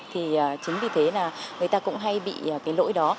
thì chính vì thế là người ta cũng hay bị cái lỗi đó